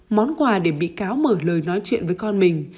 món quà để bị cáo mở lời nói chuyện với con mình